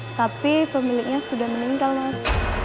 tapi pemiliknya sudah meninggal mas